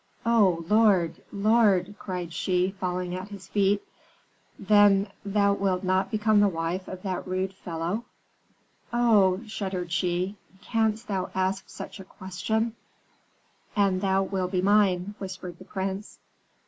"Oh, lord, lord!" cried she, falling at his feet. "Then thou wilt not become the wife of that rude fellow?" "Oh," shuddered she, "canst thou ask such a question?" "And thou wilt be mine," whispered the prince.